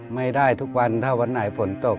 ไม่ได้ทุกวันถ้าวันไหนฝนตก